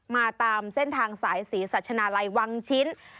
มาตามเส้นทางสายศรีสัชนาลัยวังชิ้น